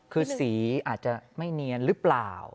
คือสีอาจจะไม่เนียนหรือเปล่า